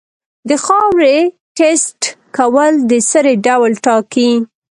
د خاورې ټیسټ کول د سرې ډول ټاکي.